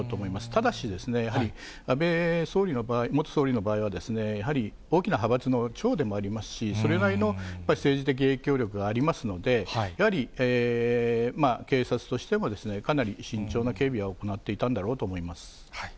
ただし、やはり安倍元総理の場合は、やはり大きな派閥の長でもありますし、それなりの政治的影響力がありますので、やはり、警察としてもかなり慎重な警備は行っていたんだろうと思います。